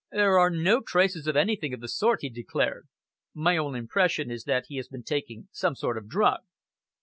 "There are no traces of anything of the sort," he declared. "My own impression is that he has been taking some sort of drug."